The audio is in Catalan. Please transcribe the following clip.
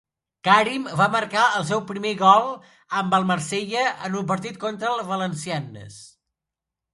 Karim va marcar el seu primer gol amb el Marsella en un partit contra el Valenciennes.